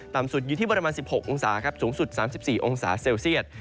สุดอยู่ที่ประมาณ๑๖องศาครับสูงสุด๓๔องศาเซลเซียต